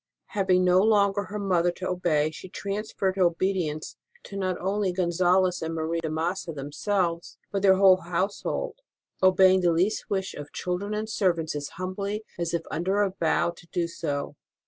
Having no longer her mother to obey, she transferred her obedience to not only Gonzalez and Marie de Massa them selves, but to their whole household, obeying the least wish of children and servants as humbly as if under a vow to do so.